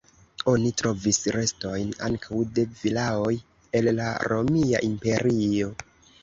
Oni trovis restojn ankaŭ de vilaoj el la Romia Imperio.